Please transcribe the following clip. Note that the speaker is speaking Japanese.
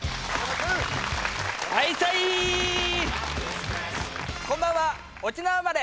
はいさいこんばんは沖縄生まれ